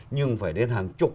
nhưng phải đến hàng chục